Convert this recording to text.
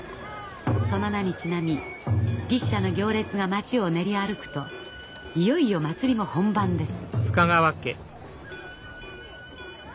その名にちなみ牛車の行列が町を練り歩くといよいよ祭りも本番です。